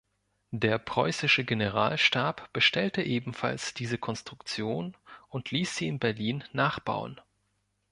Der preußische Generalstab bestellte ebenfalls diese Konstruktion und ließ sie in Berlin nachbauen.